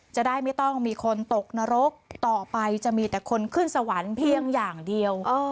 จะได้ไม่ต้องมีคนตกนรกต่อไปจะมีแต่คนขึ้นสวรรค์เพียงอย่างเดียว